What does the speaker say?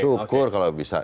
syukur kalau bisa